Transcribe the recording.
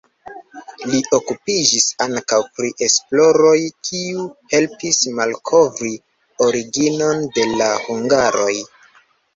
Li okupiĝis ankaŭ pri esploroj, kiuj helpis malkovri originon de la hungaroj.